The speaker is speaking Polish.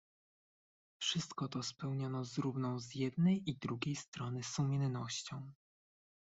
"Wszystko to spełniono z równą z jednej i drugiej strony sumiennością."